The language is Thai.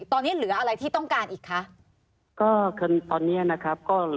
ตอนนี้เหลืออะไรที่ต้องการอีกคะ